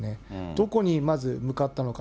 どこにまず向かったのか。